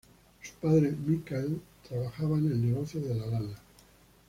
Su padre, Michael, trabajaba en el negocio de la lana.